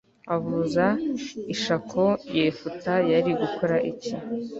avuza ishako yefuta yari gukora iki